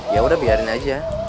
yaudah biarin aja